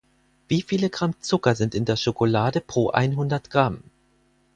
Wieviele Gramm Zucker sind in der Schokolade pro einhundert Gramm?